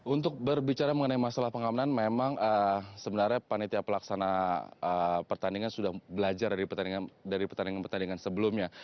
untuk berbicara mengenai masalah pengamanan memang sebenarnya panitia pelaksana pertandingan sudah belajar dari pertandingan pertandingan sebelumnya